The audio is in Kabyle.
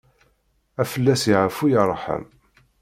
Ad fell-as yeɛfu yerḥem.